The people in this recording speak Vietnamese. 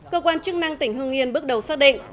cơ quan chức năng tỉnh hương yên bước đầu xác định